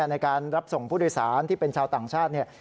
ในการรับส่งผู้โดยสารที่เป็นชาวต่างชาติ